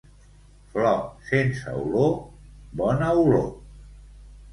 Flor sense olor, bona olor!